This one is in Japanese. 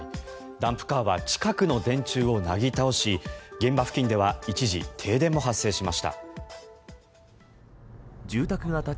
ダンプカーは近くの電柱をなぎ倒し現場付近では一時、停電も発生しました。